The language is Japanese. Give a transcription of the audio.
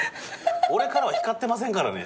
俺からは光ってませんからね。